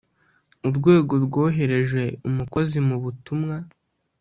Urwego rwohereje umukozi mu butumwa